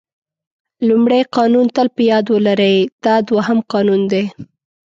لومړی قانون تل په یاد ولرئ دا دوهم قانون دی.